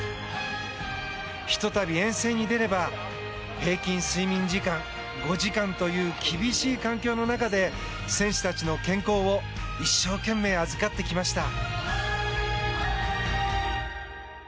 ひと度、遠征に出れば平均睡眠時間５時間という厳しい環境の中で選手たちの健康を一生懸命、預かってきました。